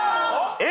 えっ！？